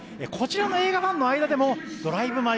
こちらの映画ファンの間でも「ドライブ